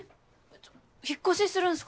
ちょ引っ越しするんすか？